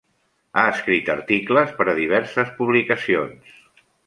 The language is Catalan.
Ha escrit articles per a diverses publicacions.